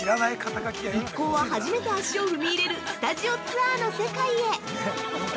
一行は、初めて足を踏み入れるスタジオツアーの世界へ！